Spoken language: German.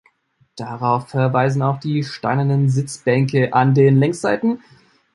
Darauf verweisen auch die steinernen Sitzbänke an den Längsseiten.